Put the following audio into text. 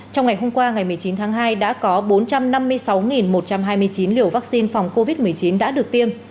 trong ngày hôm qua ngày một mươi chín tháng hai đã có bốn trăm năm mươi sáu một trăm hai mươi chín liều vaccine phòng covid một mươi chín đã được tiêm